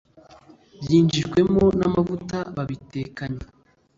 byinjiwemo namavuta babitekanye